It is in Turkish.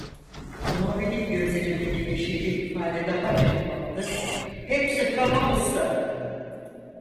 Muavinin gözlerindeki neşeli ifade daha canlandı: "Hepsi tamam usta!"